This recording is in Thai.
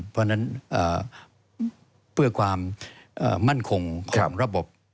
เพราะฉะนั้นเพื่อความมั่นคงของระบบ